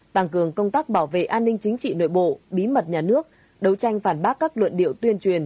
tăng cường công tác bảo vệ an ninh chính trị nội bộ bí mật nhà nước đấu tranh phản bác các luận điệu tuyên truyền